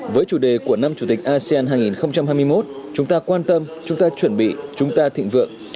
với chủ đề của năm chủ tịch asean hai nghìn hai mươi một chúng ta quan tâm chúng ta chuẩn bị chúng ta thịnh vượng